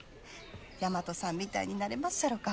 大和さんみたいになれまっしゃろか？